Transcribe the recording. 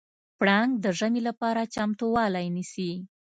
پړانګ د ژمي لپاره چمتووالی نیسي.